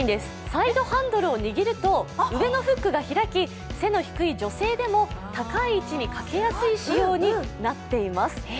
サイドハンドルを握ると上のフックが開き、背の低い女性でも高い位置にかけやすい仕様になっています。